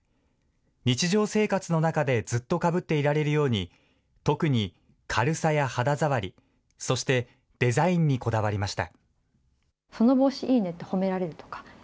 日常生活の中でずっとかぶっていられるように、特に軽さや肌触り、そしてデザインにこだわりました。